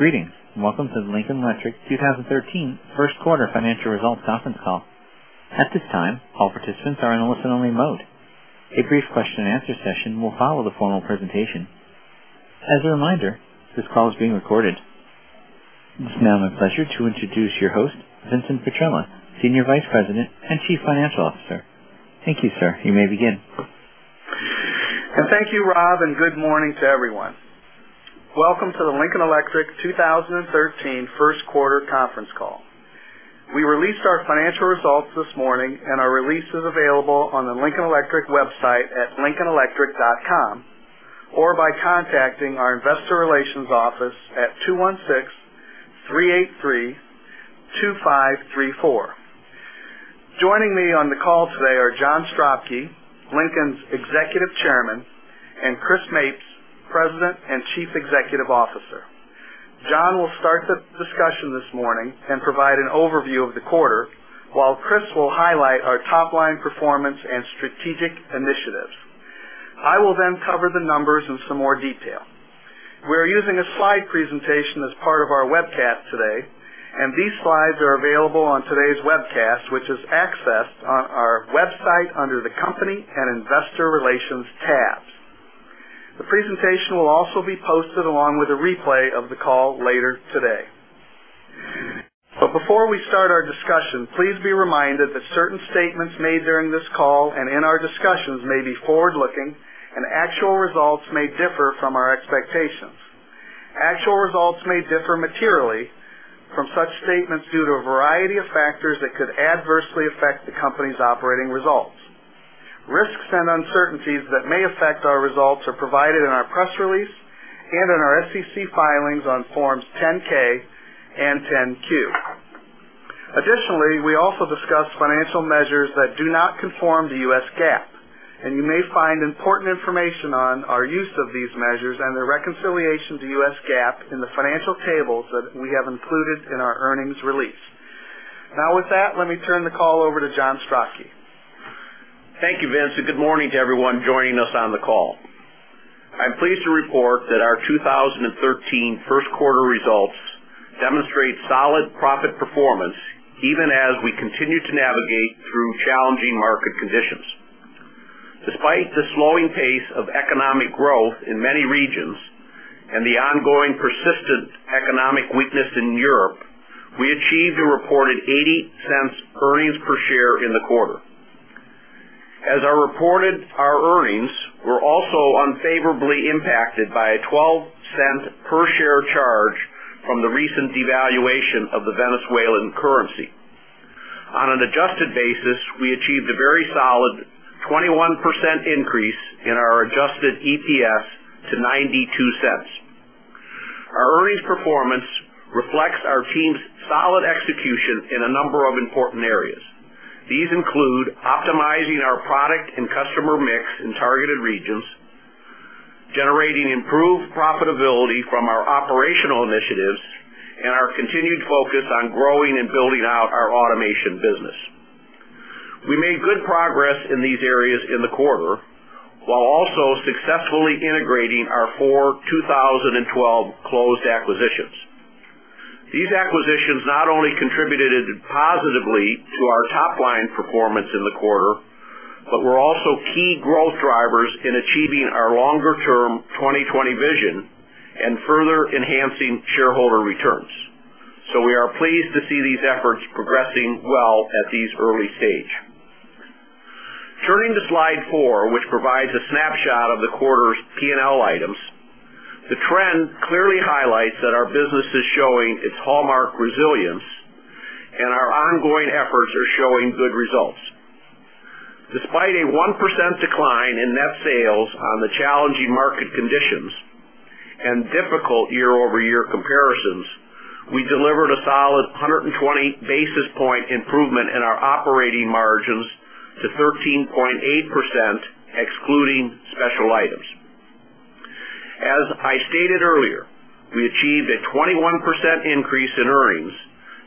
Greetings, welcome to the Lincoln Electric 2013 first quarter financial results conference call. At this time, all participants are in a listen-only mode. A brief question-and-answer session will follow the formal presentation. As a reminder, this call is being recorded. It's now my pleasure to introduce your host, Vincent Petrella, Senior Vice President and Chief Financial Officer. Thank you, sir. You may begin. Thank you, Rob, and good morning to everyone. Welcome to the Lincoln Electric 2013 first quarter conference call. We released our financial results this morning, and our release is available on the Lincoln Electric website at lincolnelectric.com, or by contacting our investor relations office at 216-383-2534. Joining me on the call today are John Stropki, Lincoln's Executive Chairman, and Chris Mapes, President and Chief Executive Officer. John will start the discussion this morning and provide an overview of the quarter, while Chris will highlight our top-line performance and strategic initiatives. I will cover the numbers in some more detail. We are using a slide presentation as part of our webcast today, and these slides are available on today's webcast, which is accessed on our website under the Company and Investor Relations tabs. The presentation will also be posted along with a replay of the call later today. Before we start our discussion, please be reminded that certain statements made during this call and in our discussions may be forward-looking, and actual results may differ from our expectations. Actual results may differ materially from such statements due to a variety of factors that could adversely affect the company's operating results. Risks and uncertainties that may affect our results are provided in our press release and in our SEC filings on forms 10-K and 10-Q. Additionally, we also discuss financial measures that do not conform to U.S. GAAP, and you may find important information on our use of these measures and their reconciliation to U.S. GAAP in the financial tables that we have included in our earnings release. With that, let me turn the call over to John Stropki. Thank you, Vince, and good morning to everyone joining us on the call. I'm pleased to report that our 2013 first-quarter results demonstrate solid profit performance, even as we continue to navigate through challenging market conditions. Despite the slowing pace of economic growth in many regions and the ongoing persistent economic weakness in Europe, we achieved a reported $0.80 earnings per share in the quarter. As was reported, our earnings were also unfavorably impacted by a $0.12 per-share charge from the recent devaluation of the Venezuelan currency. On an adjusted basis, we achieved a very solid 21% increase in our adjusted EPS to $0.92. Our earnings performance reflects our team's solid execution in a number of important areas. These include optimizing our product and customer mix in targeted regions, generating improved profitability from our operational initiatives, and our continued focus on growing and building out our automation business. We made good progress in these areas in the quarter, while also successfully integrating our four 2012 closed acquisitions. These acquisitions not only contributed positively to our top-line performance in the quarter, but were also key growth drivers in achieving our longer-term 2020 vision and further enhancing shareholder returns. We are pleased to see these efforts progressing well at this early stage. Turning to slide four, which provides a snapshot of the quarter's P&L items, the trend clearly highlights that our business is showing its hallmark resilience, and our ongoing efforts are showing good results. Despite a 1% decline in net sales on the challenging market conditions and difficult year-over-year comparisons, we delivered a solid 120-basis-point improvement in our operating margins to 13.8%, excluding special items. As I stated earlier, we achieved a 21% increase in earnings,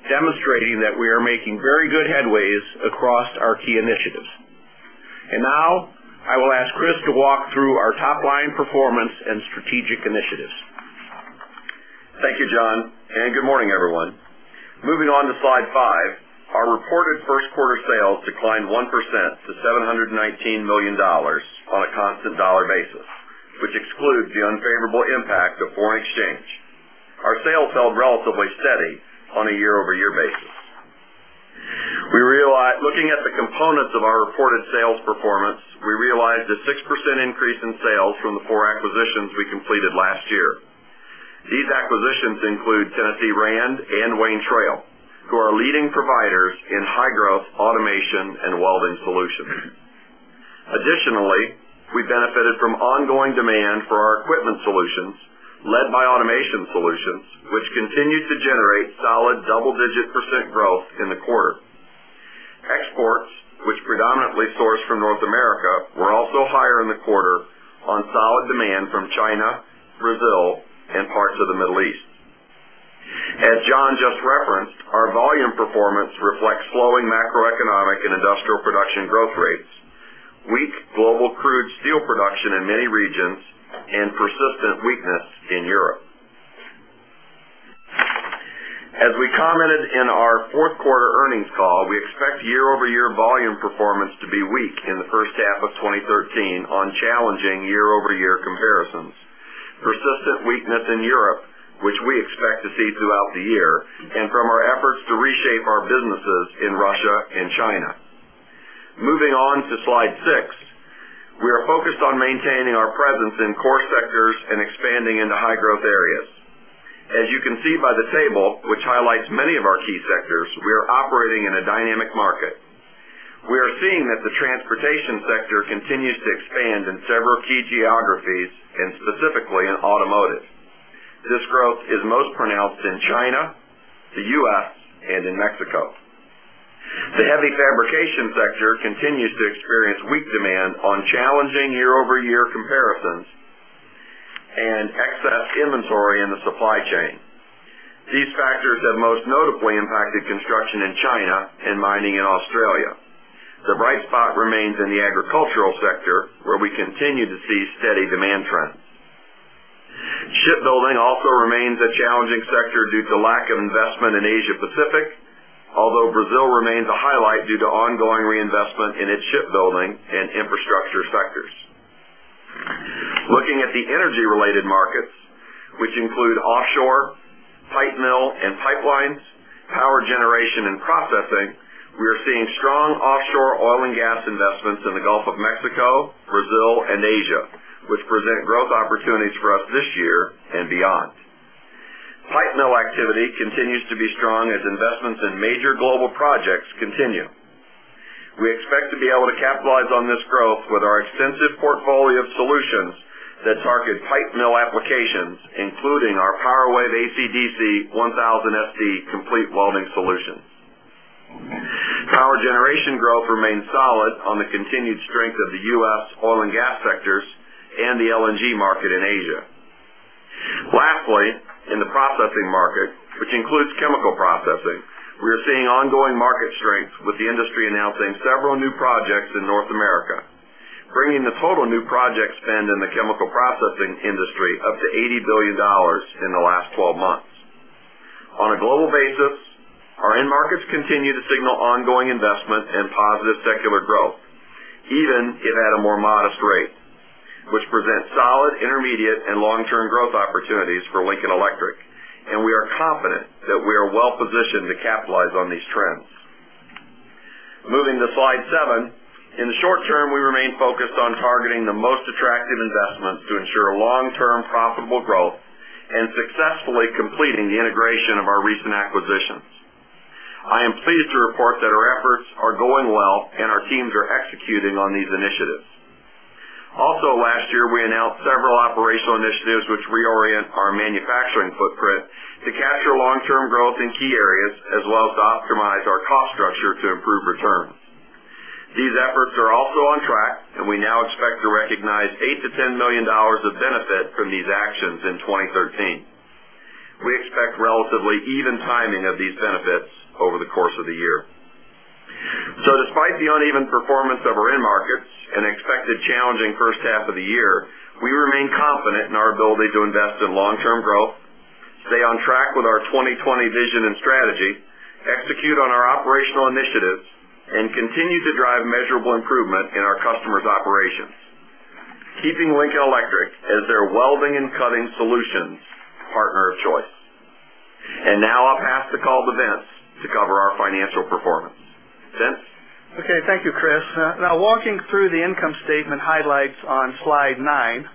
demonstrating that we are making very good headways across our key initiatives. Now, I will ask Chris to walk through our top-line performance and strategic initiatives. Thank you, John, and good morning, everyone. Moving on to slide five, our reported first-quarter sales declined 1% to $719 million on a constant dollar basis, which excludes the unfavorable impact of foreign exchange. Our sales held relatively steady on a year-over-year basis. Looking at the components of our reported sales performance, we realized a 6% increase in sales from the four acquisitions we completed last year. These acquisitions include Tennessee Rand and Wayne Trail, who are leading providers in high-growth automation and welding solutions. Additionally, we benefited from ongoing demand for our equipment solutions, led by automation solutions, which continued to generate solid double-digit percent growth in the quarter. Exports, which predominantly sourced from North America, were also higher in the quarter on solid demand from China, Brazil, and parts of the Middle East. As John just referenced, our volume performance reflects slowing macroeconomic and industrial production growth rates, weak global crude steel production in many regions, and persistent weakness in Europe. As we commented in our fourth quarter earnings call, we expect year-over-year volume performance to be weak in the first half of 2013 on challenging year-over-year comparisons. Persistent weakness in Europe, which we expect to see throughout the year, and from our efforts to reshape our businesses in Russia and China. Moving on to slide six, we are focused on maintaining our presence in core sectors and expanding into high-growth areas. As you can see by the table, which highlights many of our key sectors, we are operating in a dynamic market. We are seeing that the transportation sector continues to expand in several key geographies and specifically in automotive. This growth is most pronounced in China, the U.S., and in Mexico. The heavy fabrication sector continues to experience weak demand on challenging year-over-year comparisons and excess inventory in the supply chain. These factors have most notably impacted construction in China and mining in Australia. The bright spot remains in the agricultural sector, where we continue to see steady demand trends. Shipbuilding also remains a challenging sector due to lack of investment in Asia Pacific, although Brazil remains a highlight due to ongoing reinvestment in its shipbuilding and infrastructure sectors. Looking at the energy-related markets, which include offshore, pipe mill and pipelines, power generation and processing, we are seeing strong offshore oil and gas investments in the Gulf of Mexico, Brazil, and Asia, which present growth opportunities for us this year and beyond. Pipe mill activity continues to be strong as investments in major global projects continue. We expect to be able to capitalize on this growth with our extensive portfolio of solutions that target pipe mill applications, including our Power Wave AC/DC 1000 SP complete welding solution. Power generation growth remains solid on the continued strength of the U.S. oil and gas sectors and the LNG market in Asia. Lastly, in the processing market, which includes chemical processing, we are seeing ongoing market strength with the industry announcing several new projects in North America, bringing the total new project spend in the chemical processing industry up to $80 billion in the last 12 months. On a global basis, our end markets continue to signal ongoing investment and positive secular growth, even if at a more modest rate, which present solid, intermediate, and long-term growth opportunities for Lincoln Electric, and we are confident that we are well-positioned to capitalize on these trends. Moving to slide seven. In the short term, we remain focused on targeting the most attractive investments to ensure long-term profitable growth and successfully completing the integration of our recent acquisitions. I am pleased to report that our efforts are going well and our teams are executing on these initiatives. Also last year, we announced several operational initiatives which reorient our manufacturing footprint to capture long-term growth in key areas, as well as to optimize our cost structure to improve returns. These efforts are also on track, and we now expect to recognize $8-$10 million of benefit from these actions in 2013. We expect relatively even timing of these benefits over the course of the year. Despite the uneven performance of our end markets and expected challenging first half of the year, we remain confident in our ability to invest in long-term growth, stay on track with our 2020 vision and strategy, execute on our operational initiatives, and continue to drive measurable improvement in our customers' operations, keeping Lincoln Electric as their welding and cutting solutions partner of choice. Now I'll pass the call to Vince to cover our financial performance. Vince? Okay. Thank you, Chris. Walking through the income statement highlights on slide nine,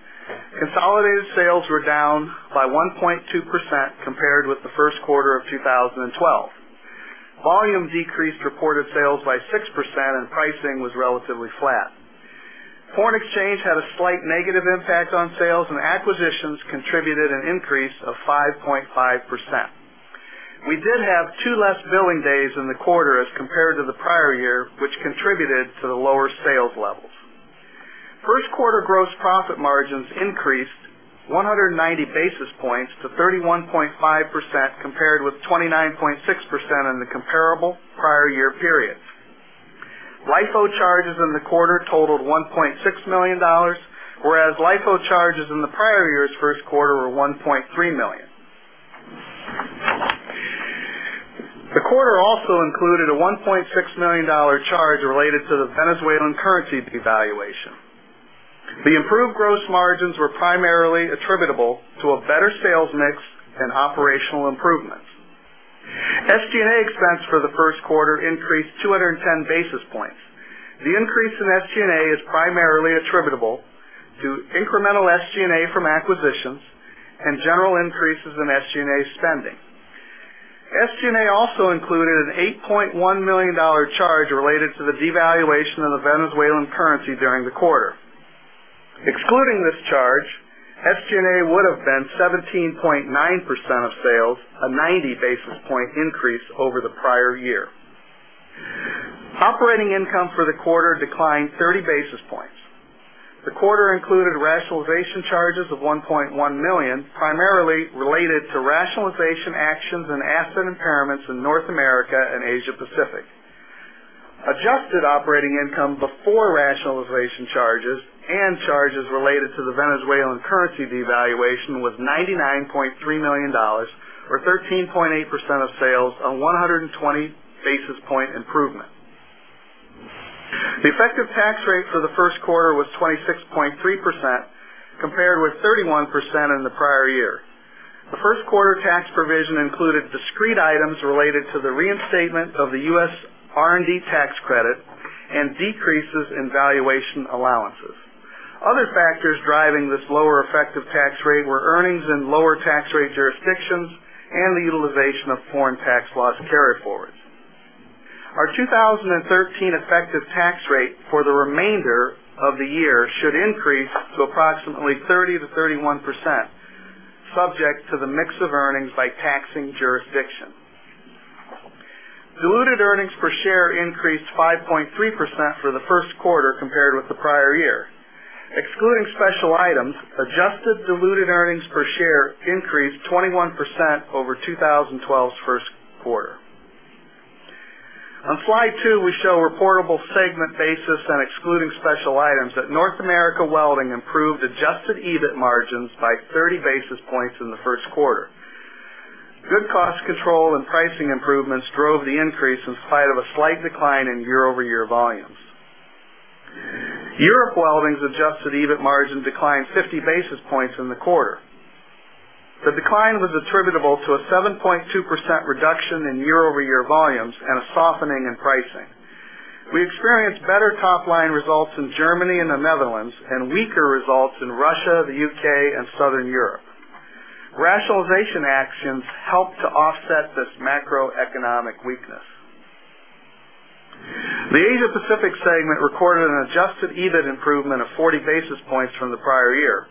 consolidated sales were down by 1.2% compared with the first quarter of 2012. Volume decreased reported sales by 6%, pricing was relatively flat. Foreign exchange had a slight negative impact on sales, acquisitions contributed an increase of 5.5%. We did have two less billing days in the quarter as compared to the prior year, which contributed to the lower sales levels. First quarter gross profit margins increased 190 basis points to 31.5%, compared with 29.6% in the comparable prior year period. LIFO charges in the quarter totaled $1.6 million, whereas LIFO charges in the prior year's first quarter were $1.3 million. The quarter also included a $1.6 million charge related to the Venezuelan currency devaluation. The improved gross margins were primarily attributable to a better sales mix and operational improvements. SG&A expense for the first quarter increased 210 basis points. The increase in SG&A is primarily attributable to incremental SG&A from acquisitions and general increases in SG&A spending. SG&A also included an $8.1 million charge related to the devaluation of the Venezuelan currency during the quarter. Excluding this charge, SG&A would've been 17.9% of sales, a 90 basis point increase over the prior year. Operating income for the quarter declined 30 basis points. The quarter included rationalization charges of $1.1 million, primarily related to rationalization actions and asset impairments in North America and Asia Pacific. Adjusted operating income before rationalization charges and charges related to the Venezuelan currency devaluation was $99.3 million, or 13.8% of sales, a 120 basis point improvement. The effective tax rate for the first quarter was 26.3%, compared with 31% in the prior year. The first quarter tax provision included discrete items related to the reinstatement of the U.S. R&D tax credit and decreases in valuation allowances. Other factors driving this lower effective tax rate were earnings in lower tax rate jurisdictions and the utilization of foreign tax loss carry-forwards. Our 2013 effective tax rate for the remainder of the year should increase to approximately 30%-31%, subject to the mix of earnings by taxing jurisdiction. Diluted earnings per share increased 5.3% for the first quarter compared with the prior year. Excluding special items, adjusted diluted earnings per share increased 21% over 2012's first quarter. On slide two, we show reportable segment basis and excluding special items that North America Welding improved adjusted EBIT margins by 30 basis points in the first quarter. Good cost control and pricing improvements drove the increase in spite of a slight decline in year-over-year volumes. Europe Welding's adjusted EBIT margin declined 50 basis points in the quarter. The decline was attributable to a 7.2% reduction in year-over-year volumes and a softening in pricing. We experienced better top-line results in Germany and the Netherlands, weaker results in Russia, the U.K., and Southern Europe. Rationalization actions helped to offset this macroeconomic weakness. The Asia Pacific segment recorded an adjusted EBIT improvement of 40 basis points from the prior year.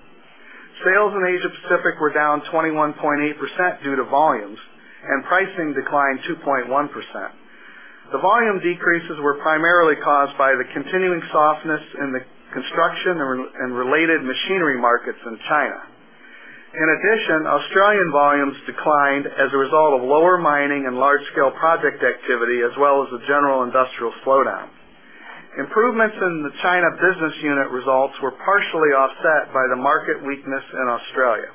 Sales in Asia Pacific were down 21.8% due to volumes, pricing declined 2.1%. The volume decreases were primarily caused by the continuing softness in the construction and related machinery markets in China. In addition, Australian volumes declined as a result of lower mining and large-scale project activity, as well as the general industrial slowdown. Improvements in the China business unit results were partially offset by the market weakness in Australia.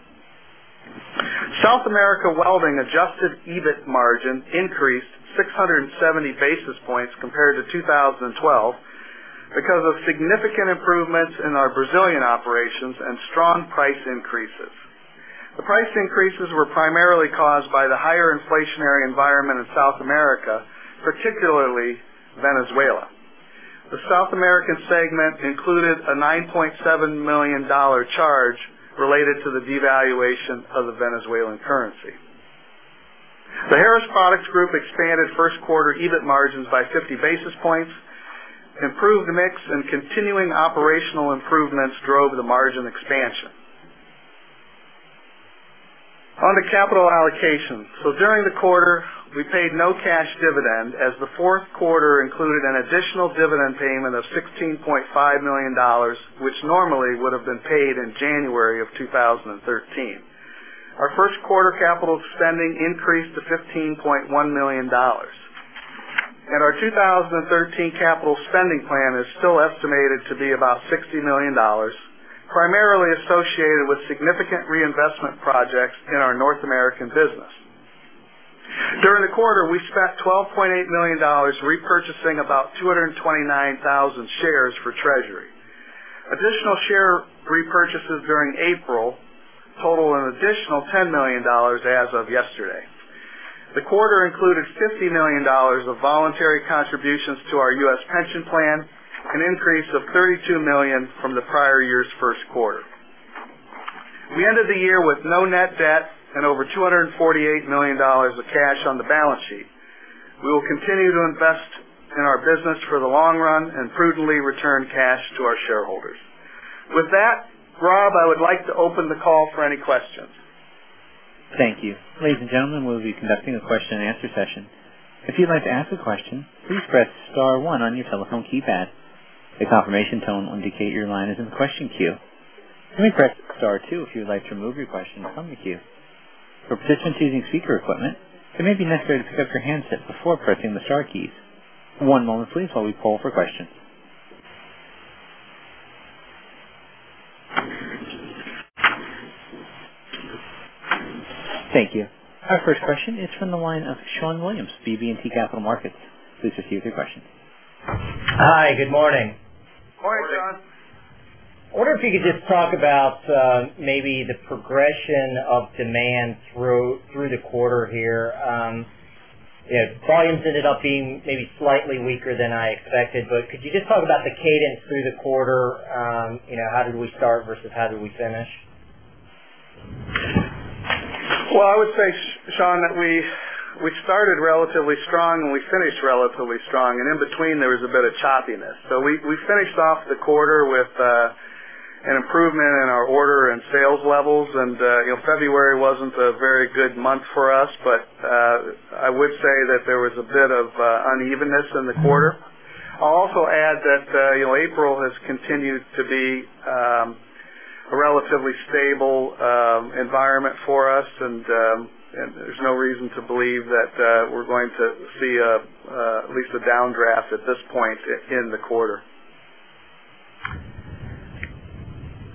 South America Welding adjusted EBIT margin increased 670 basis points compared to 2012 because of significant improvements in our Brazilian operations and strong price increases. The price increases were primarily caused by the higher inflationary environment in South America, particularly Venezuela. The South American segment included a $9.7 million charge related to the devaluation of the Venezuelan currency. The Harris Products Group expanded first quarter EBIT margins by 50 basis points. Improved mix and continuing operational improvements drove the margin expansion. On to capital allocation. During the quarter, we paid no cash dividend, as the fourth quarter included an additional dividend payment of $16.5 million, which normally would have been paid in January of 2013. Our first quarter capital spending increased to $15.1 million. Our 2013 capital spending plan is still estimated to be about $60 million, primarily associated with significant reinvestment projects in our North American business. During the quarter, we spent $12.8 million repurchasing about 229,000 shares for treasury. Additional share repurchases during April total an additional $10 million as of yesterday. The quarter included $50 million of voluntary contributions to our U.S. pension plan, an increase of $32 million from the prior year's first quarter. We ended the year with no net debt and over $248 million of cash on the balance sheet. We will continue to invest in our business for the long run and prudently return cash to our shareholders. With that, Rob, I would like to open the call for any questions. Thank you. Ladies and gentlemen, we will be conducting a question and answer session. If you'd like to ask a question, please press *1 on your telephone keypad. A confirmation tone will indicate your line is in the question queue. You may press *2 if you'd like to remove your question from the queue. For participants using speaker equipment, it may be necessary to pick up your handset before pressing the star keys. One moment please while we poll for questions. Thank you. Our first question is from the line of Shon Williams, BB&T Capital Markets. Please proceed with your question. Hi, good morning. Morning, Shawn. I wonder if you could just talk about maybe the progression of demand through the quarter here. Volumes ended up being maybe slightly weaker than I expected. Could you just talk about the cadence through the quarter? How did we start versus how did we finish? Well, I would say, Shawn, that we started relatively strong and we finished relatively strong, and in between, there was a bit of choppiness. We finished off the quarter with an improvement in our order and sales levels. February wasn't a very good month for us. I would say that there was a bit of unevenness in the quarter. I'll also add that April has continued to be a relatively stable environment for us. There's no reason to believe that we're going to see at least a downdraft at this point in the quarter.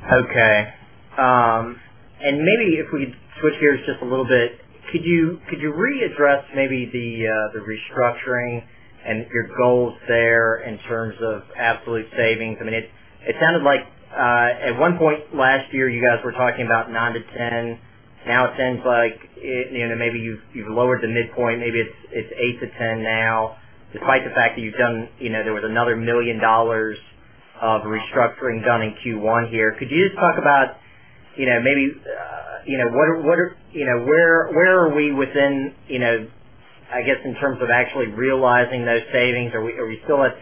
Okay. Maybe if we switch gears just a little bit, could you readdress maybe the restructuring and your goals there in terms of absolute savings? It sounded like at one point last year, you guys were talking about 9-10. Now it seems like maybe you've lowered the midpoint. Maybe it's 8-10 now, despite the fact that there was another $1 million of restructuring done in Q1 here. Could you just talk about where are we within, I guess, in terms of actually realizing those savings? Are we still in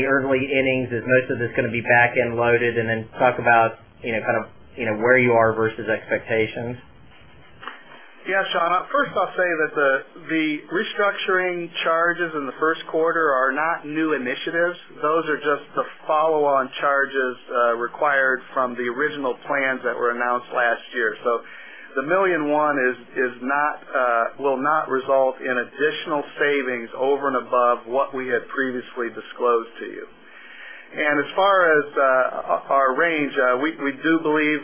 the early innings? Is most of this going to be back-end loaded? Then talk about where you are versus expectations. Shon. First, I'll say that the restructuring charges in the first quarter are not new initiatives. Those are just the follow-on charges required from the original plans that were announced last year. The $1.1 million will not result in additional savings over and above what we had previously disclosed to you. As far as our range, we do believe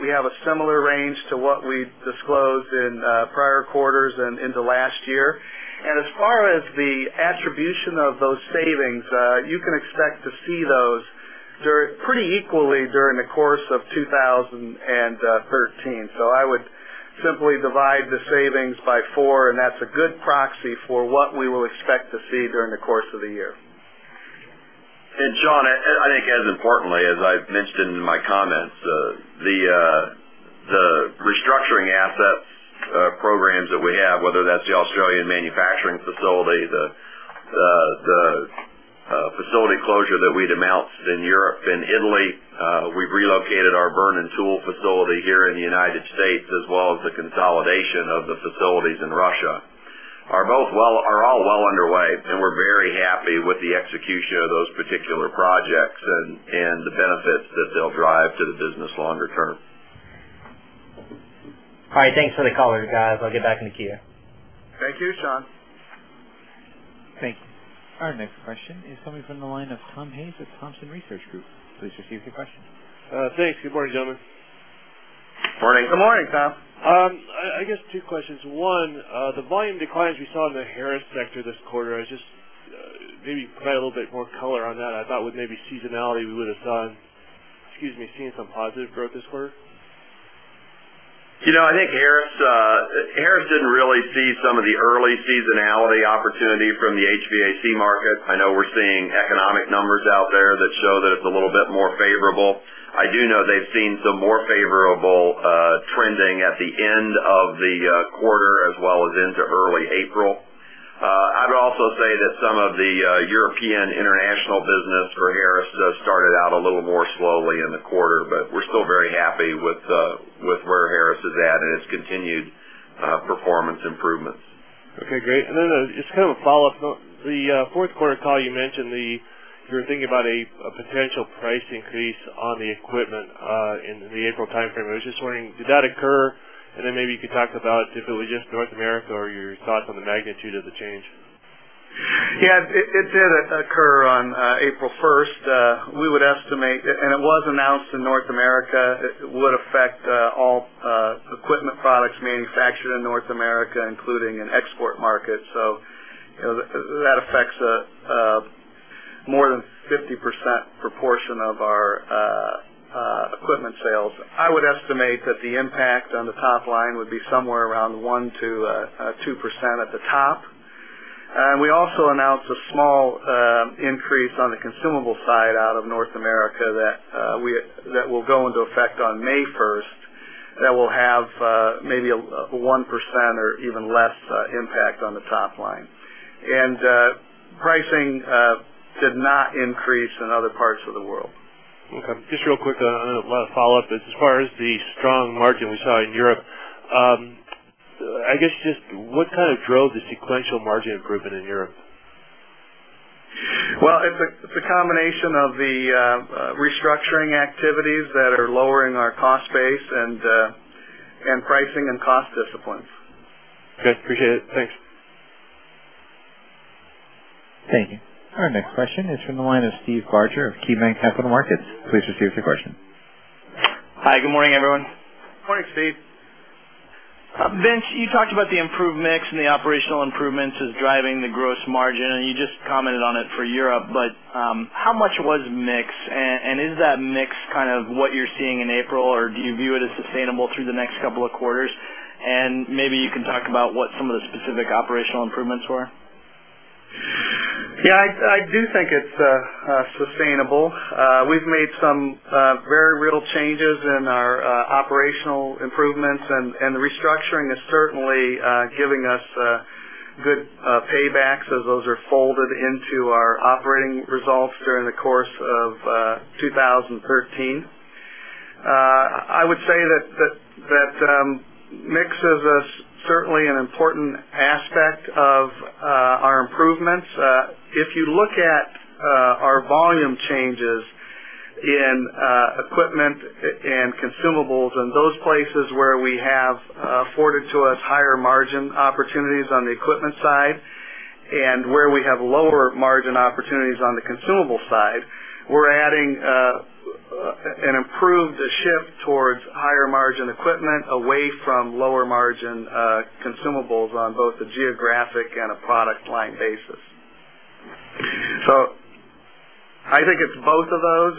we have a similar range to what we disclosed in prior quarters and into last year. As far as the attribution of those savings, you can expect to see those pretty equally during the course of 2013. I would simply divide the savings by four, and that's a good proxy for what we will expect to see during the course of the year. Shon, I think as importantly, as I've mentioned in my comments, the restructuring asset programs that we have, whether that's the Australian manufacturing facility, the facility closure that we'd announced in Europe, in Italy, we've relocated our Vernon tool facility here in the U.S., as well as the consolidation of the facilities in Russia, are all well underway, and we're very happy with the execution of those particular projects and the benefits that they'll drive to the business longer term. All right. Thanks for the color, guys. I'll get back in the queue. Thank you, Shon. Thank you. Our next question is coming from the line of Tom Hayes at Thompson Research Group. Please proceed with your question. Thanks. Good morning, gentlemen. Morning. Good morning, Tom. I guess two questions. One, the volume declines we saw in the Harris sector this quarter, just maybe provide a little bit more color on that. I thought with maybe seasonality, we would have seen some positive growth this quarter. I think Harris didn't really see some of the early seasonality opportunity from the HVAC market. I know we're seeing economic numbers out there that show that it's a little bit more favorable. I do know they've seen some more favorable trending at the end of the quarter as well as into early April. I'd also say that some of the European international business for Harris does start it out a little more slowly in the quarter, but we're still very happy with where Harris is at and its continued performance improvements. Okay, great. Then just kind of a follow-up. The fourth quarter call, you mentioned you were thinking about a potential price increase on the equipment in the April timeframe. I was just wondering, did that occur? Then maybe you could talk about if it was just North America or your thoughts on the magnitude of the change. It did occur on April 1st. It was announced in North America. It would affect all equipment products manufactured in North America, including an export market. That affects more than 50% proportion of our equipment sales. I would estimate that the impact on the top line would be somewhere around 1%-2% at the top. We also announced a small increase on the consumable side out of North America that will go into effect on May 1st, that will have maybe a 1% or even less impact on the top line. Pricing did not increase in other parts of the world. Okay. Just real quick, another follow-up. As far as the strong margin we saw in Europe, I guess just what kind of drove the sequential margin improvement in Europe? Well, it's a combination of the restructuring activities that are lowering our cost base and pricing and cost disciplines. Okay. Appreciate it. Thanks. Thank you. Our next question is from the line of Steve Barger of KeyBanc Capital Markets. Please proceed with your question. Hi, good morning, everyone. Morning, Steve. Vince, you talked about the improved mix and the operational improvements as driving the gross margin, you just commented on it for Europe, but how much was mix? Is that mix kind of what you're seeing in April, or do you view it as sustainable through the next couple of quarters? Maybe you can talk about what some of the specific operational improvements were. Yeah, I do think it's sustainable. We've made some very real changes in our operational improvements, the restructuring is certainly giving us good paybacks as those are folded into our operating results during the course of 2013. I would say that mix is certainly an important aspect of our improvements. If you look at our volume changes in equipment and consumables in those places where we have afforded to us higher margin opportunities on the equipment side, and where we have lower margin opportunities on the consumable side, we're adding an improved shift towards higher margin equipment, away from lower margin consumables on both a geographic and a product line basis. I think it's both of those,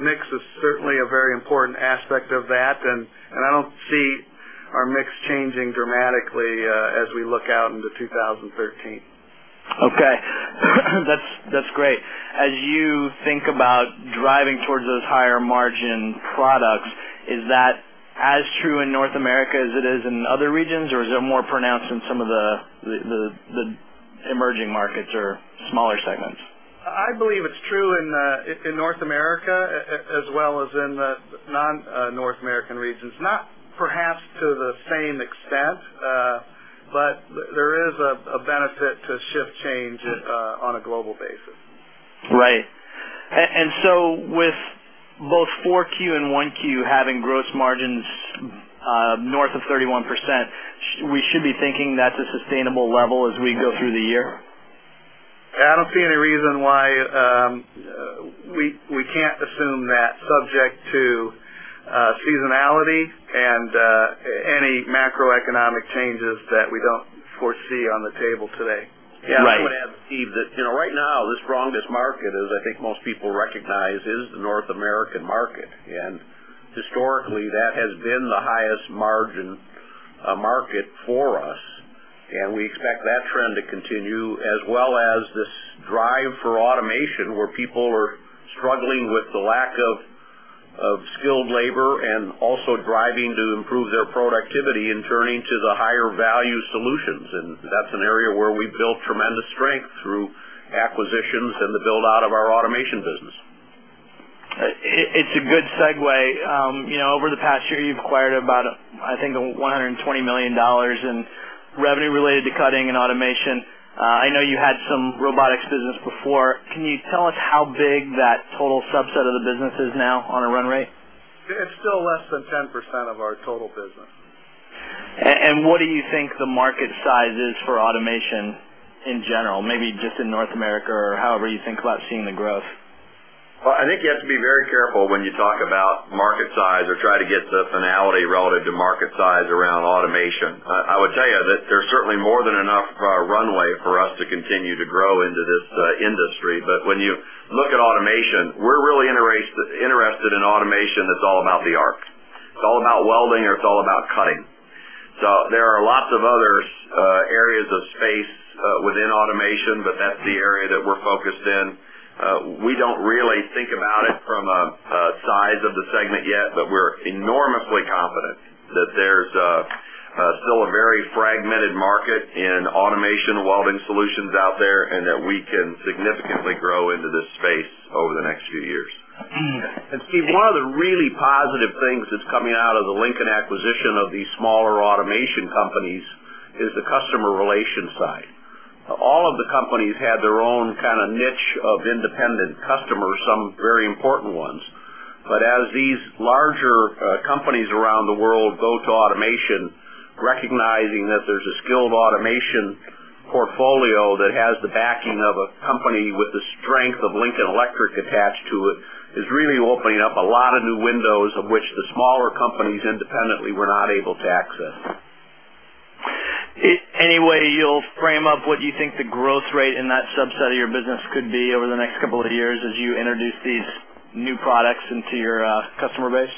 mix is certainly a very important aspect of that. I don't see our mix changing dramatically as we look out into 2013. Okay. That's great. As you think about driving towards those higher margin products, is that as true in North America as it is in other regions, or is it more pronounced in some of the emerging markets or smaller segments? I believe it's true in North America, as well as in the non-North American regions. Not perhaps to the same extent, but there is a benefit to shift change on a global basis. Right. With both 4Q and 1Q having gross margins north of 31%, we should be thinking that's a sustainable level as we go through the year? I don't see any reason why we can't assume that subject to seasonality and any macroeconomic changes that we don't foresee on the table today. Right. Yeah. I would add, Steve, that right now, the strongest market, as I think most people recognize, is the North American market. Historically, that has been the highest margin market for us, we expect that trend to continue, as well as this drive for automation, where people are struggling with the lack of skilled labor and also driving to improve their productivity and turning to the higher value solutions. That's an area where we've built tremendous strength through acquisitions and the build-out of our automation business. It's a good segue. Over the past year, you've acquired about, I think, $120 million in revenue related to cutting and automation. I know you had some robotics business before. Can you tell us how big that total subset of the business is now on a run rate? It's still less than 10% of our total business. What do you think the market size is for automation in general, maybe just in North America, or however you think about seeing the growth? Well, I think you have to be very careful when you talk about market size or try to get the finality relative to market size around automation. I would tell you that there's certainly more than enough runway for us to continue to grow into this industry. When you look at automation, we're really interested in automation that's all about the arc. It's all about welding, or it's all about cutting. There are lots of other areas of space within automation, but that's the area that we're focused in. We don't really think about it from a size of the segment yet, but we're enormously confident that there's still a very fragmented market in automation welding solutions out there, and that we can significantly grow into this space over the next few years. Steve, one of the really positive things that's coming out of the Lincoln Electric acquisition of these smaller automation companies is the customer relation side. All of the companies had their own kind of niche of independent customers, some very important ones. As these larger companies around the world go to automation, recognizing that there's a skilled automation portfolio that has the backing of a company with the strength of Lincoln Electric attached to it, is really opening up a lot of new windows of which the smaller companies independently were not able to access. Any way you'll frame up what you think the growth rate in that subset of your business could be over the next couple of years as you introduce these new products into your customer base?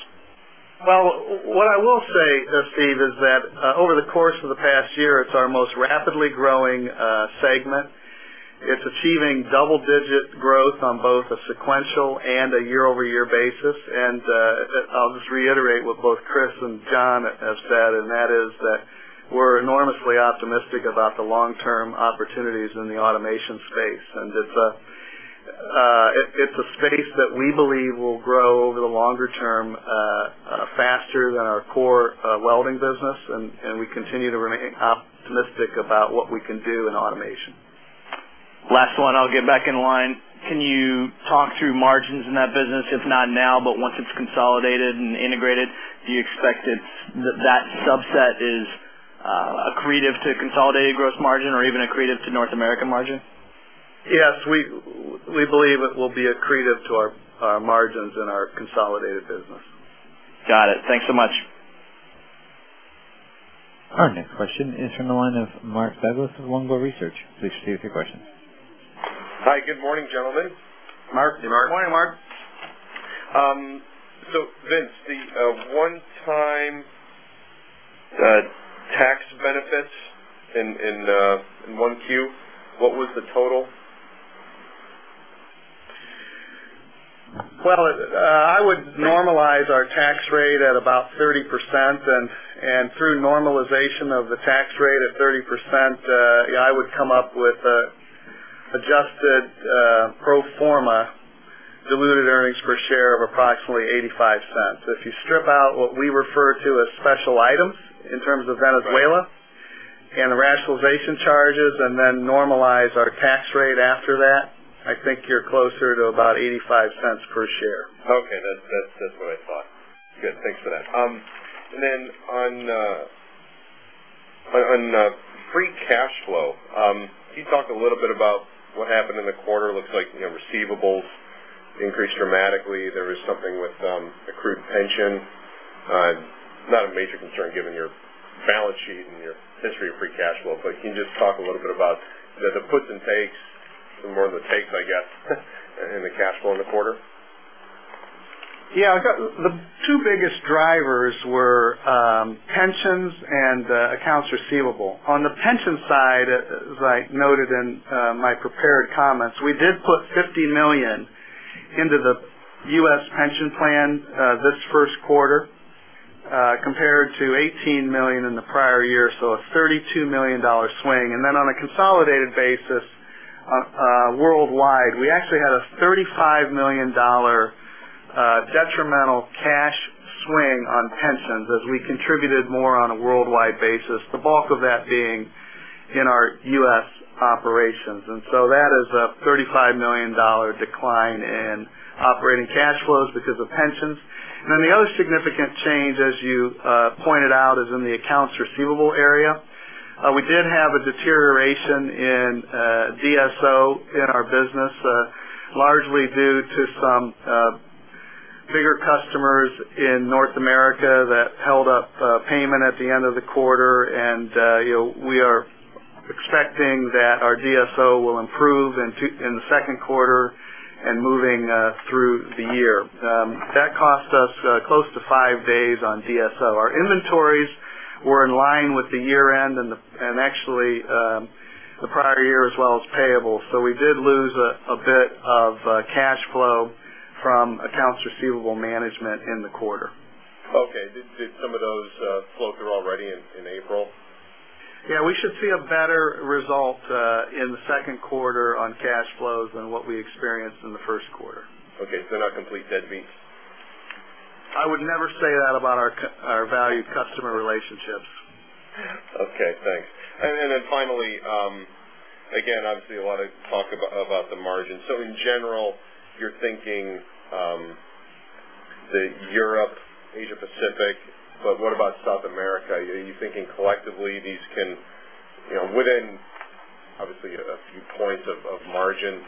Well, what I will say, Steve, is that over the course of the past year, it's our most rapidly growing segment. It's achieving double-digit growth on both a sequential and a year-over-year basis. I'll just reiterate what both Chris and John have said, and that is that we're enormously optimistic about the long-term opportunities in the automation space. It's a space that we believe will grow over the longer term faster than our core welding business, and we continue to remain optimistic about what we can do in automation. Last one, I'll get back in line. Can you talk through margins in that business, if not now, but once it's consolidated and integrated? Do you expect that that subset is accretive to consolidated gross margin or even accretive to North American margin? Yes, we believe it will be accretive to our margins and our consolidated business. Got it. Thanks so much. Our next question is from the line of Mark Douglass of Longbow Research. Please proceed with your question. Hi. Good morning, gentlemen. Mark. Good morning, Mark. Vince, the one-time tax benefits in 1Q, what was the total? I would normalize our tax rate at about 30%, and through normalization of the tax rate at 30%, I would come up with an adjusted pro forma diluted earnings per share of approximately $0.85. If you strip out what we refer to as special items in terms of Venezuela and the rationalization charges, and then normalize our tax rate after that, I think you're closer to about $0.85 per share. Okay. That's what I thought. Good. Thanks for that. Then on free cash flow, can you talk a little bit about what happened in the quarter? Looks like receivables increased dramatically. There was something with accrued pension. Not a major concern given your balance sheet and your history of free cash flow. Can you just talk a little bit about the puts and takes, more of the takes, I guess, in the cash flow in the quarter? Yeah. The two biggest drivers were pensions and accounts receivable. On the pension side, as I noted in my prepared comments, we did put $50 million into the U.S. pension plan this first quarter compared to $18 million in the prior year, so a $32 million swing. Then on a consolidated basis worldwide, we actually had a $35 million detrimental cash swing on pensions as we contributed more on a worldwide basis, the bulk of that being in our U.S. operations. So that is a $35 million decline in operating cash flows because of pensions. Then the other significant change, as you pointed out, is in the accounts receivable area. We did have a deterioration in DSO in our business, largely due to some bigger customers in North America that held up payment at the end of the quarter. We are expecting that our DSO will improve in the second quarter and moving through the year. That cost us close to five days on DSO. Our inventories were in line with the year-end and actually the prior year as well as payable. We did lose a bit of cash flow from accounts receivable management in the quarter. Okay. Did some of those flow through already in April? Yeah, we should see a better result in the second quarter on cash flows than what we experienced in the first quarter. Okay. Not complete deadbeats. I would never say that about our valued customer relationships. Okay, thanks. Finally, again, obviously, a lot of talk about the margin. In general, you're thinking the Europe, Asia Pacific, but what about South America? Are you thinking collectively these can, within obviously a few points of margin,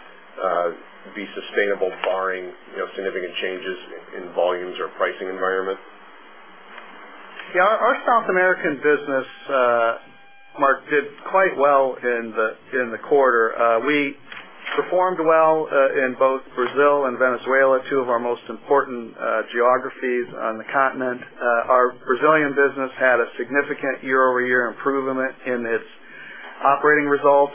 be sustainable barring significant changes in volumes or pricing environment? Yeah. Our South American business, Mark, did quite well in the quarter. We performed well in both Brazil and Venezuela, two of our most important geographies on the continent. Our Brazilian business had a significant year-over-year improvement in its operating results.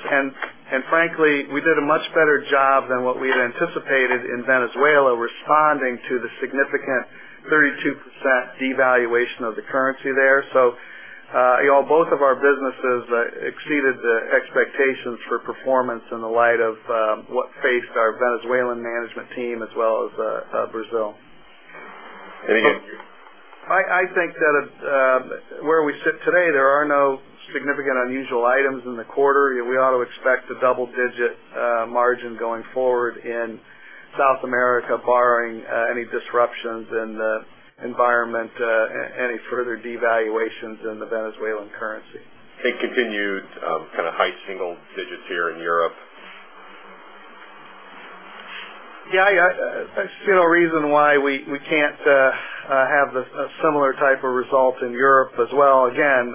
Frankly, we did a much better job than what we had anticipated in Venezuela, responding to the significant 32% devaluation of the currency there. Both of our businesses exceeded the expectations for performance in light of what faced our Venezuelan management team, as well as Brazil. Thank you. I think that where we sit today, there are no significant unusual items in the quarter. We ought to expect a double-digit margin going forward in South America, barring any disruptions in the environment, any further devaluations in the Venezuelan currency. Continued kind of high single digits here in Europe. Yeah. I see no reason why we can't have a similar type of result in Europe as well. Again,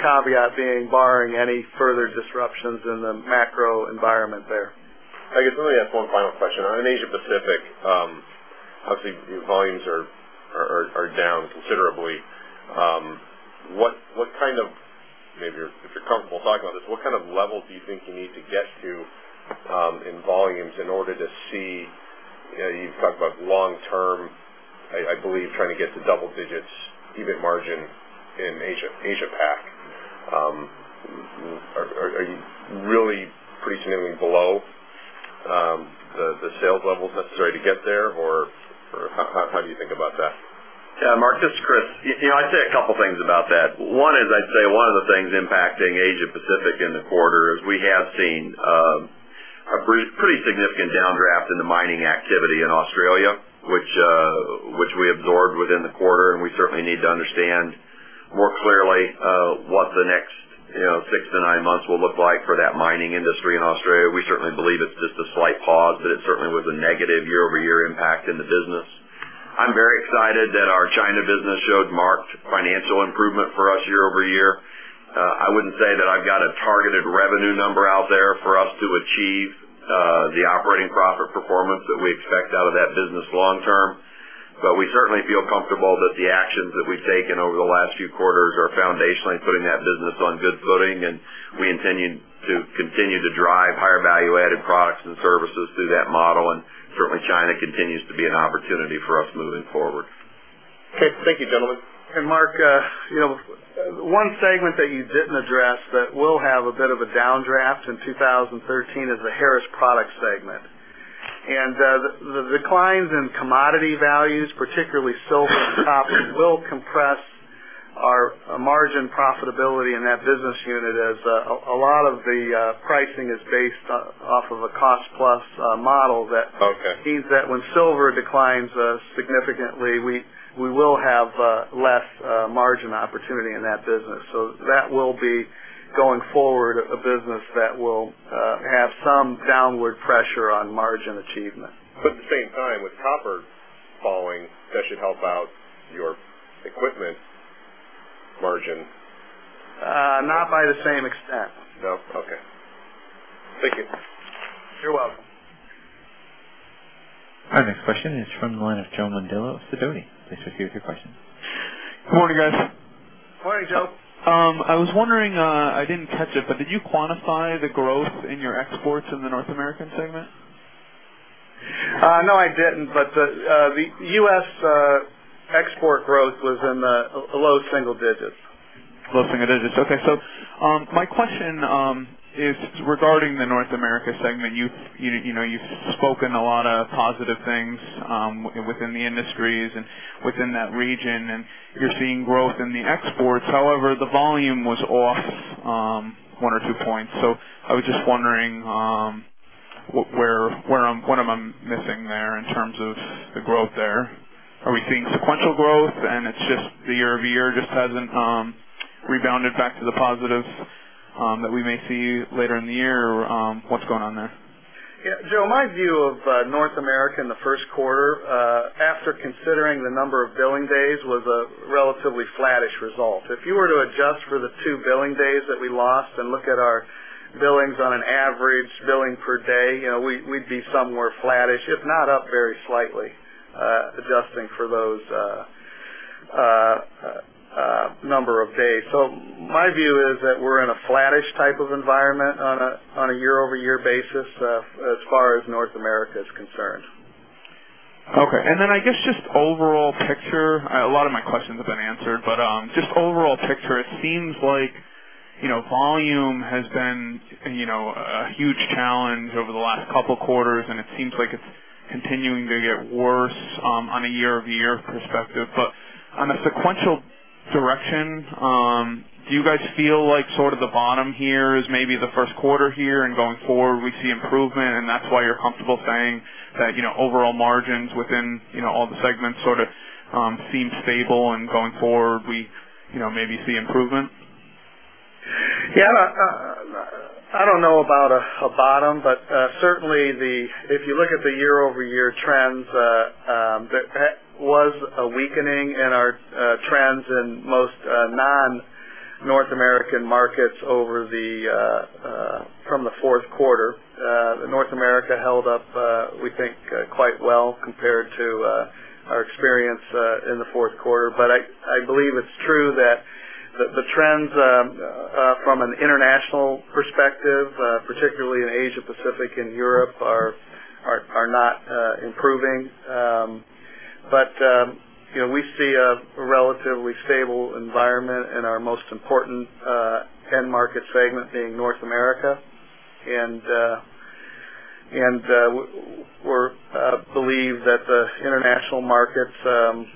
caveat being barring any further disruptions in the macro environment there. I guess let me ask one final question. On Asia Pacific, obviously, volumes are down considerably. If you're comfortable talking about this, what kind of level do you think you need to get to in volumes in order to see, you've talked about long-term, I believe, trying to get to double digits EBIT margin in Asia Pac. Are you really pretty significantly below the sales levels necessary to get there, or how do you think about that? Yeah, Mark, this is Chris. I'd say a couple of things about that. One is I'd say one of the things impacting Asia Pacific in the quarter is we have seen a pretty significant downdraft in the mining activity in Australia, which we absorbed within the quarter, and we certainly need to understand more clearly what the next six to nine months will look like for that mining industry in Australia. We certainly believe it's just a slight pause, it certainly was a negative year-over-year impact in the business. I'm very excited that our China business showed marked financial improvement for us year-over-year. I wouldn't say that I've got a targeted revenue number out there for us to achieve the operating profit performance that we expect out of that business long term. We certainly feel comfortable that the actions that we've taken over the last few quarters are foundationally putting that business on good footing, and we intend to continue to drive higher value-added products and services through that model. Certainly, China continues to be an opportunity for us moving forward. Okay. Thank you, gentlemen. Hey, Mark. One segment that you didn't address that will have a bit of a downdraft in 2013 is The Harris Products Group segment. The declines in commodity values, particularly silver and copper, will compress our margin profitability in that business unit, as a lot of the pricing is based off of a cost-plus model. Okay That means that when silver declines significantly, we will have less margin opportunity in that business. That will be, going forward, a business that will have some downward pressure on margin achievement. At the same time, with copper falling, that should help out your equipment margin. Not by the same extent. No? Okay. Thank you. You're welcome. Our next question is from the line of Joe Mondello of Sidoti & Company. Please proceed with your question. Good morning, guys. Morning, Joe. I was wondering, I didn't catch it, but did you quantify the growth in your exports in the North American segment? No, I didn't. The U.S. export growth was in the low single digits. Low single digits. Okay. My question is regarding the North America segment. You've spoken a lot of positive things within the industries and within that region, and you're seeing growth in the exports. However, the volume was off one or two points. I was just wondering what am I missing there in terms of the growth there? Are we seeing sequential growth and it's just the year-over-year just hasn't rebounded back to the positives that we may see later in the year? What's going on there? Yeah, Joe, my view of North America in the first quarter, after considering the number of billing days, was a relatively flattish result. If you were to adjust for the two billing days that we lost and look at our billings on an average billing per day, we'd be somewhere flattish, if not up very slightly, adjusting for those number of days. My view is that we're in a flattish type of environment on a year-over-year basis as far as North America is concerned. Okay. I guess just overall picture, a lot of my questions have been answered, but just overall picture, it seems volume has been a huge challenge over the last couple of quarters, and it seems like it's continuing to get worse on a year-over-year perspective. On a sequential direction, do you guys feel like the bottom here is maybe the first quarter here, and going forward, we see improvement, and that's why you're comfortable saying that overall margins within all the segments sort of seem stable, and going forward, we maybe see improvement? Yeah. I don't know about a bottom, certainly if you look at the year-over-year trends, there was a weakening in our trends in most non-North American markets from the fourth quarter. North America held up, we think, quite well compared to our experience in the fourth quarter. I believe it's true that the trends from an international perspective, particularly in Asia-Pacific and Europe, are not improving. We see a relatively stable environment in our most important end market segment being North America, and we believe that the international markets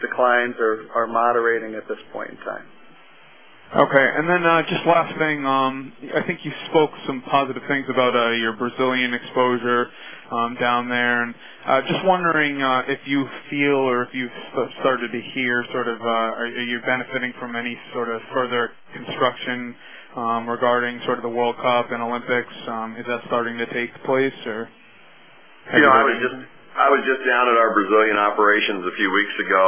declines are moderating at this point in time. Okay. Just last thing, I think you spoke some positive things about your Brazilian exposure down there, and just wondering if you feel, or if you've started to hear, are you benefiting from any sort of further construction regarding the World Cup and Olympics? Is that starting to take place or any of that? Yeah. I was just down at our Brazilian operations a few weeks ago,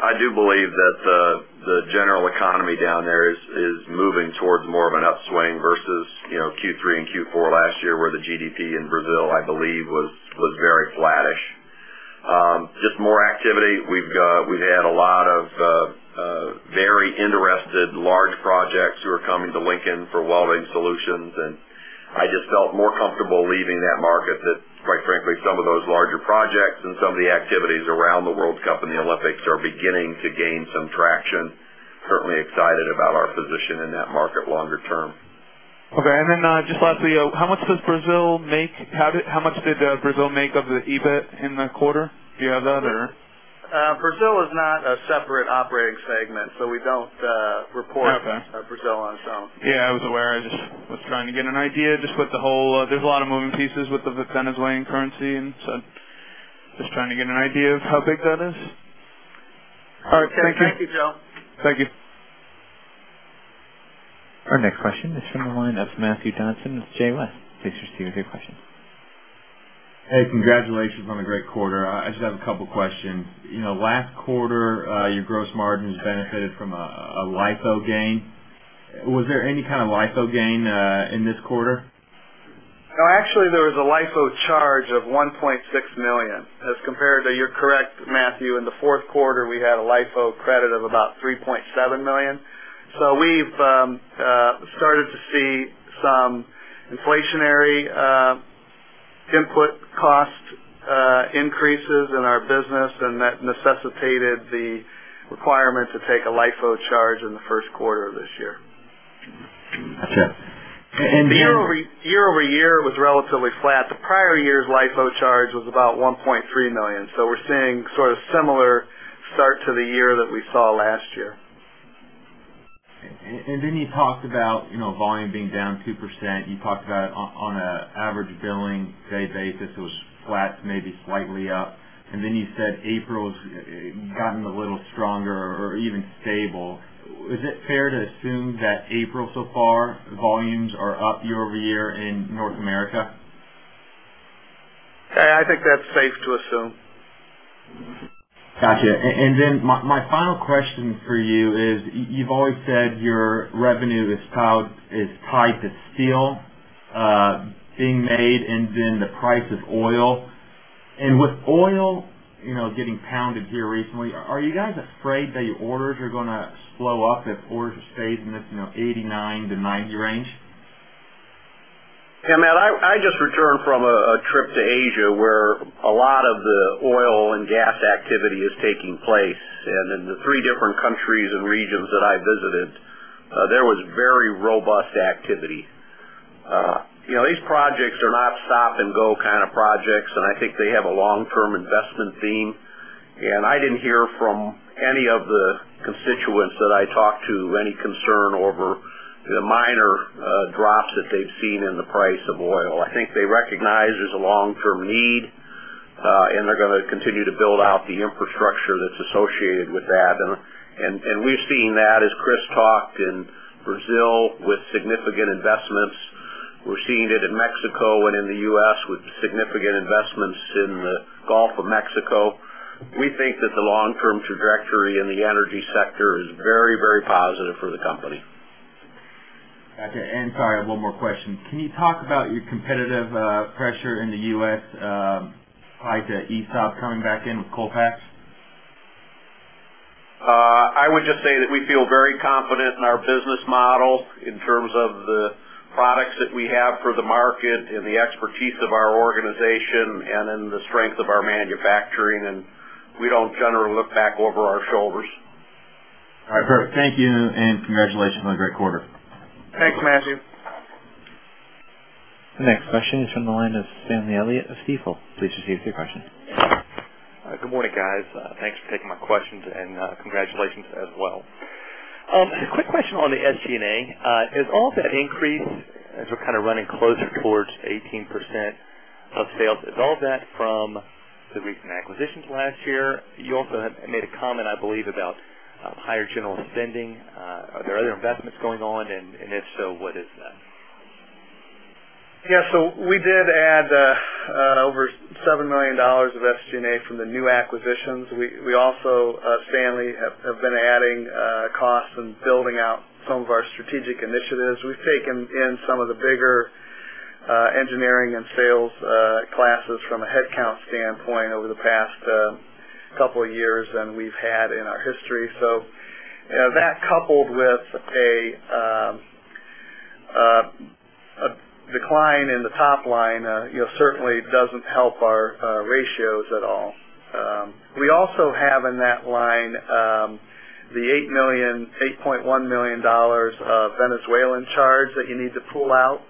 I do believe that the general economy down there is moving towards more of an upswing versus Q3 and Q4 last year, where the GDP in Brazil, I believe, was very flattish. Just more activity. We've had a lot of very interested large projects who are coming to Lincoln Electric for welding solutions, I just felt more comfortable leaving that market that, quite frankly, some of those larger projects and some of the activities around the World Cup and the Olympics are beginning to gain some traction. Certainly excited about our position in that market longer term. Okay. Just lastly, how much does Brazil make? How much did Brazil make of the EBIT in the quarter? Do you have that or? Brazil is not a separate operating segment, We don't report- Okay Brazil on its own. Yeah, I was aware. I just was trying to get an idea just with the whole-- There's a lot of moving pieces with the Venezuelan currency, and so just trying to get an idea of how big that is. All right. Thank you, Joe. Thank you. Our next question is from the line of Matthew Johnson with JL. Thanks. Proceed with your question. Hey, congratulations on a great quarter. I just have a couple questions. Last quarter, your gross margins benefited from a LIFO gain. Was there any kind of LIFO gain in this quarter? No, actually, there was a LIFO charge of $1.6 million as compared to, you're correct, Matthew, in the fourth quarter, we had a LIFO credit of about $3.7 million. We've started to see some inflationary input cost increases in our business, and that necessitated the requirement to take a LIFO charge in the first quarter of this year. Got you. Year-over-year was relatively flat. The prior year's LIFO charge was about $1.3 million. We're seeing sort of similar start to the year that we saw last year. You talked about volume being down 2%. You talked about on an average billing day basis, it was flat, maybe slightly up. You said April's gotten a little stronger or even stable. Is it fair to assume that April so far, volumes are up year-over-year in North America? I think that's safe to assume. Got you. My final question for you is, you've always said your revenue is tied to steel being made the price of oil. With oil getting pounded here recently, are you guys afraid that your orders are going to slow up if orders are stayed in this $89-$90 range? Yeah, Matt, I just returned from a trip to Asia where a lot of the oil and gas activity is taking place. In the three different countries and regions that I visited, there was very robust activity. These projects are not stop-and-go kind of projects, I think they have a long-term investment theme. I didn't hear from any of the constituents that I talked to any concern over the minor drops that they've seen in the price of oil. I think they recognize there's a long-term need, they're going to continue to build out the infrastructure that's associated with that. We've seen that, as Chris talked, in Brazil with significant investments. We're seeing it in Mexico and in the U.S. with significant investments in the Gulf of Mexico. We think that the long-term trajectory in the energy sector is very positive for the company. Got you. Sorry, one more question. Can you talk about your competitive pressure in the U.S. pipe to ESAB coming back in with Colfax? I would just say that we feel very confident in our business model in terms of the products that we have for the market and the expertise of our organization and in the strength of our manufacturing, we don't generally look back over our shoulders. All right, perfect. Thank you, congratulations on a great quarter. Thanks, Matthew. The next question is from the line of Stanley Elliott of Stifel. Please receive your question. Good morning, guys. Thanks for taking my questions, and congratulations as well. A quick question on the SG&A. Is all of that increase as we're kind of running closer towards 18% of sales, is all that from the recent acquisitions last year? You also have made a comment, I believe, about higher general spending. Are there other investments going on? If so, what is that? Yeah, we did add over $7 million of SG&A from the new acquisitions. We also, Stanley, have been adding costs and building out some of our strategic initiatives. We've taken in some of the bigger engineering and sales classes from a headcount standpoint over the past couple of years than we've had in our history. That coupled with a decline in the top line certainly doesn't help our ratios at all. We also have in that line the $8.1 million of Venezuelan charge that you need to pull out.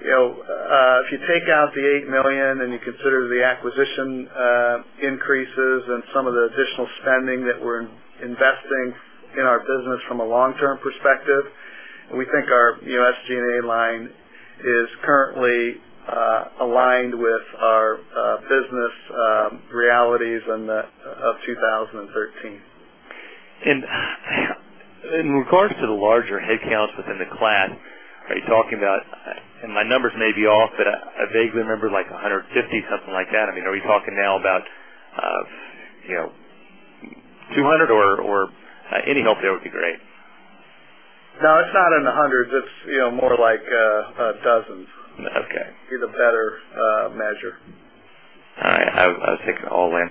If you take out the $8 million and you consider the acquisition increases and some of the additional spending that we're investing in our business from a long-term perspective, we think our SG&A line is currently aligned with our business realities of 2013. In regards to the larger headcounts within the class, are you talking about, my numbers may be off, but I vaguely remember like 150, something like that. Are we talking now about 200 or any help there would be great. No, it's not in the hundreds. It's more like dozens. Okay. Be the better measure. All right. I'll take it all in.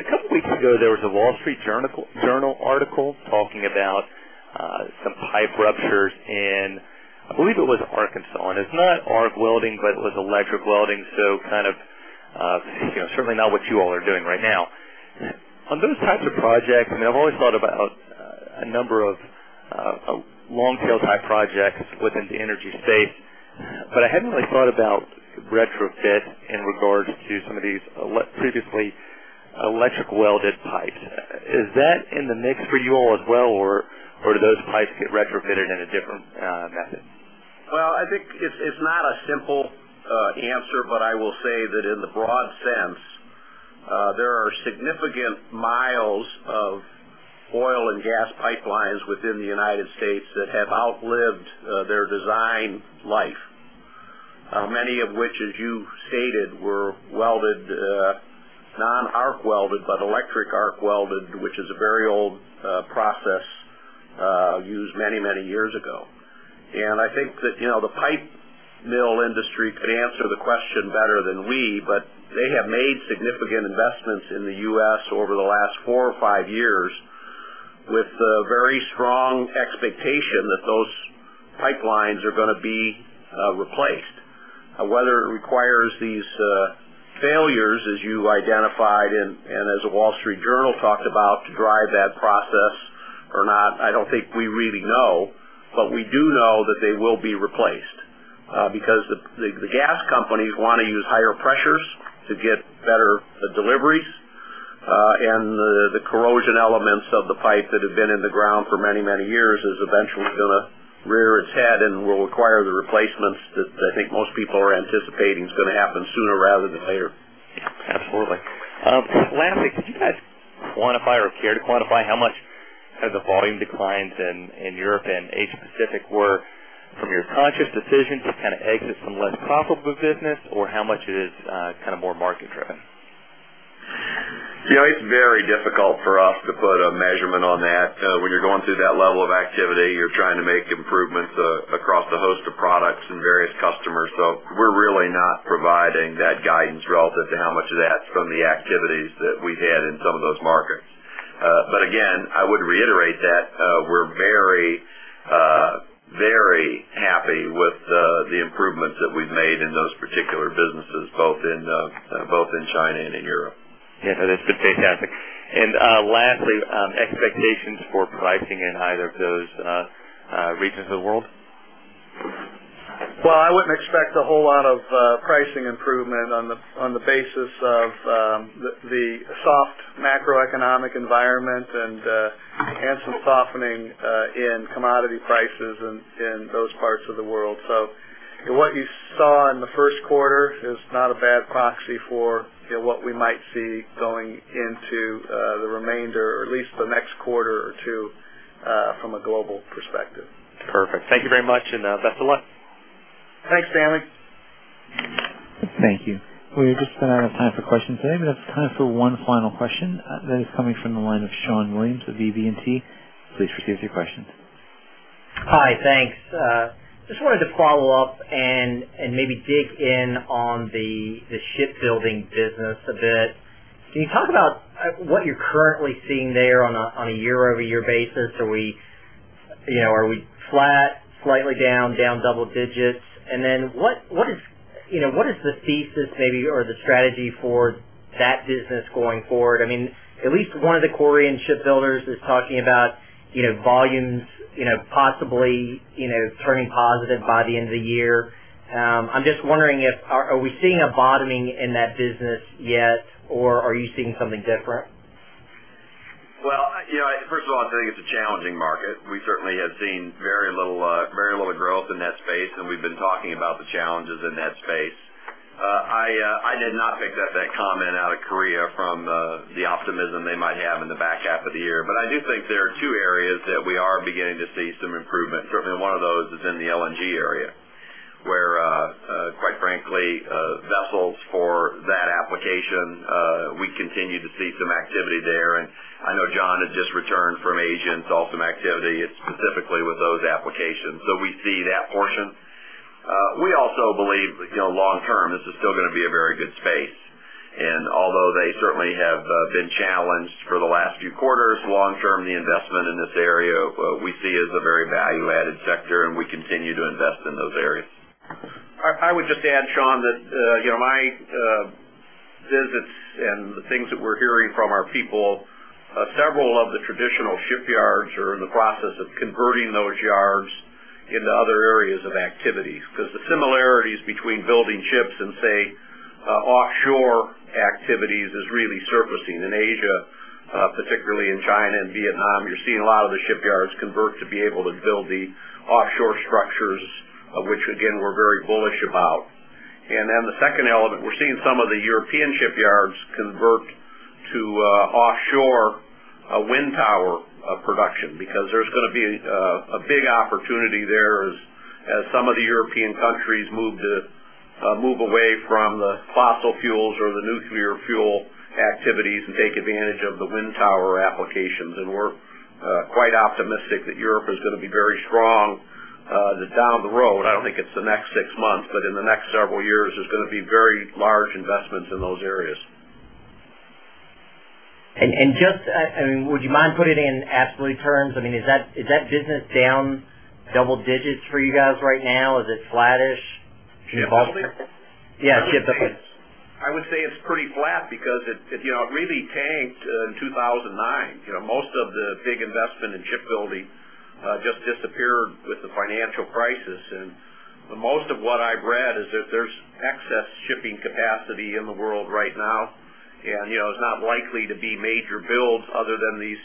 A couple weeks ago, there was a The Wall Street Journal article talking about some pipe ruptures in, I believe it was Arkansas, and it's not arc welding, but it was electric welding. Certainly not what you all are doing right now. On those types of projects, and I've always thought about a number of long-tail type projects within the energy space, but I hadn't really thought about retrofit in regards to some of these previously electric-welded pipes. Is that in the mix for you all as well, or do those pipes get retrofitted in a different method? Well, I think it's not a simple answer, but I will say that in the broad sense, there are significant miles of oil and gas pipelines within the United States that have outlived their design life. Many of which, as you stated, were non-arc welded, but electric arc welded, which is a very old process used many years ago. I think that the pipe mill industry could answer the question better than we, but they have made significant investments in the U.S. over the last four or five years with the very strong expectation that those pipelines are going to be replaced. Whether it requires these failures, as you identified and as The Wall Street Journal talked about, to drive that process or not, I don't think we really know. We do know that they will be replaced because the gas companies want to use higher pressures to get better deliveries. The corrosion elements of the pipe that have been in the ground for many, many years is eventually going to rear its head and will require the replacements that I think most people are anticipating is going to happen sooner rather than later. Absolutely. Lastly, can you guys quantify or care to quantify how much the volume declines in Europe and Asia-Pacific were from your conscious decision to kind of exit some less profitable business, or how much it is more market-driven? It's very difficult for us to put a measurement on that. When you're going through that level of activity, you're trying to make improvements across a host of products and various customers. We're really not providing that guidance relative to how much of that's from the activities that we've had in some of those markets. Again, I would reiterate that we're very happy with the improvements that we've made in those particular businesses, both in China and in Europe. Yeah, that's fantastic. Lastly, expectations for pricing in either of those regions of the world? Well, I wouldn't expect a whole lot of pricing improvement on the basis of the soft macroeconomic environment and some softening in commodity prices in those parts of the world. What you saw in the first quarter is not a bad proxy for what we might see going into the remainder, or at least the next quarter or two from a global perspective. Perfect. Thank you very much, and best of luck. Thanks, Stanley. Thank you. We just about out of time for questions today, but just time for one final question. That is coming from the line of Shawn Williams with BB&T. Please proceed with your questions. Hi, thanks. Just wanted to follow up and maybe dig in on the shipbuilding business a bit. Can you talk about what you're currently seeing there on a year-over-year basis? Are we flat, slightly down double digits? What is the thesis maybe, or the strategy for that business going forward? At least one of the Korean shipbuilders is talking about volumes possibly turning positive by the end of the year. I'm just wondering if are we seeing a bottoming in that business yet, or are you seeing something different? Well, first of all, I think it's a challenging market. We certainly have seen very little growth in that space, and we've been talking about the challenges in that space. I did not pick up that comment out of Korea from the optimism they might have in the back half of the year. I do think there are two areas that we are beginning to see some improvement. Certainly one of those is in the LNG area, where, quite frankly, vessels for that application, we continue to see some activity there. I know John has just returned from Asia and saw some activity specifically with those applications. We see that portion. We also believe long-term, this is still going to be a very good space. Although they certainly have been challenged for the last few quarters, long-term, the investment in this area we see as a very value-added sector, and we continue to invest in those areas. I would just add, Shawn, that my visits and the things that we're hearing from our people, several of the traditional shipyards are in the process of converting those yards into other areas of activities. Because the similarities between building ships and, say, offshore activities is really surfacing. In Asia, particularly in China and Vietnam, you're seeing a lot of the shipyards convert to be able to build the offshore structures, which again, we're very bullish about. The second element, we're seeing some of the European shipyards convert to offshore wind tower production because there's going to be a big opportunity there as some of the European countries move away from the fossil fuels or the nuclear fuel activities and take advantage of the wind tower applications. We're quite optimistic that Europe is going to be very strong down the road. I don't think it's the next six months, but in the next several years, there's going to be very large investments in those areas. Would you mind putting it in absolute terms? Is that business down double digits for you guys right now? Is it flattish? Shipbuilding? Yeah, shipbuilding. I would say it's pretty flat because it really tanked in 2009. Most of the big investment in shipbuilding just disappeared with the financial crisis. Most of what I've read is that there's excess shipping capacity in the world right now. It's not likely to be major builds other than these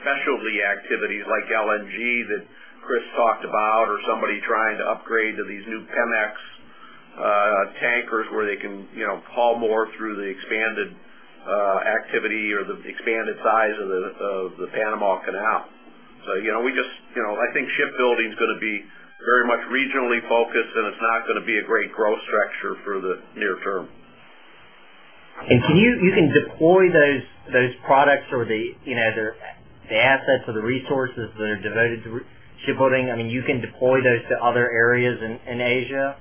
specialty activities like LNG that Chris talked about or somebody trying to upgrade to these new Panamax tankers where they can haul more through the expanded activity or the expanded size of the Panama Canal. I think shipbuilding is going to be very much regionally focused, and it's not going to be a great growth structure for the near term. You can deploy those products or the assets or the resources that are devoted to shipbuilding, you can deploy those to other areas in Asia?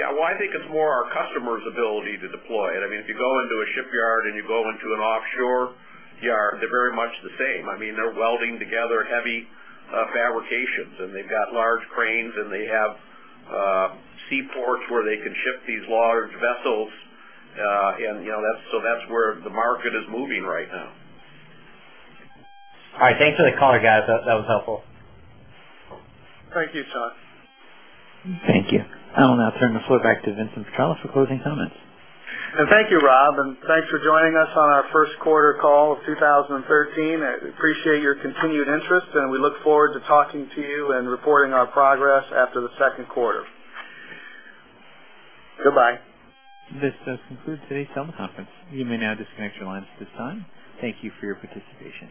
Yeah. Well, I think it's more our customers' ability to deploy it. If you go into a shipyard and you go into an offshore yard, they're very much the same. They're welding together heavy fabrications, and they've got large cranes, and they have seaports where they can ship these large vessels. That's where the market is moving right now. All right. Thanks for the color, guys. That was helpful. Thank you, Shawn. Thank you. I will now turn the floor back to Vincent Petrella for closing comments. Thank you, Rob. Thanks for joining us on our first quarter call of 2013. I appreciate your continued interest. We look forward to talking to you and reporting our progress after the second quarter. Goodbye. This does conclude today's teleconference. You may now disconnect your lines at this time. Thank you for your participation.